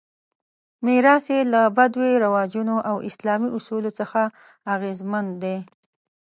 میراث یې له بدوي رواجونو او اسلامي اصولو څخه اغېزمن دی.